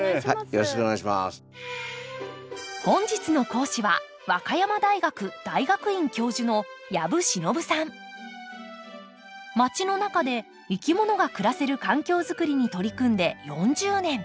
本日の講師は和歌山大学大学院教授のまちの中でいきものが暮らせる環境作りに取り組んで４０年。